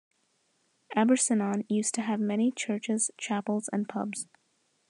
Abercynon used to have many churches, chapels and pubs.